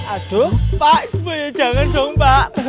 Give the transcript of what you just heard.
aduh pak ibunya jangan dong pak